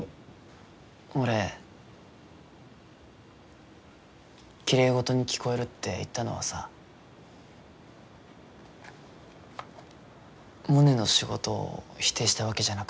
俺きれいごどに聞こえるって言ったのはさモネの仕事を否定したわけじゃなくて。